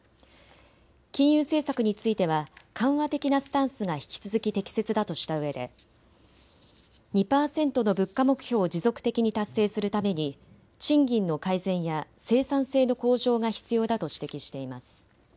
金融政策については緩和的なスタンスが引き続き適切だとしたうえで２％の物価目標を持続的に達成するために賃金の改善や生産性の向上が必要だと指摘しています。